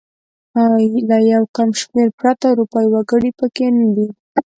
له یو کم شمېر پرته اروپايي وګړي پکې نه دي.